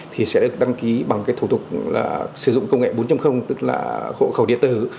thì sẽ được đăng ký bằng thủ tục sử dụng công nghệ bốn tức là hộ khẩu điện tử